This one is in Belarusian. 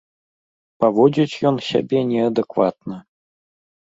Паводзіць ён сябе неадэкватна.